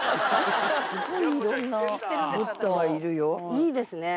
いいですね。